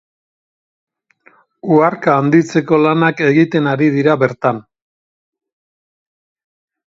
Uharka handitzeko lanak egiten ari dira bertan.